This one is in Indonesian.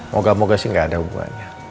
moga moga sih gak ada hubungannya